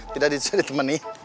tidak bisa ditemenin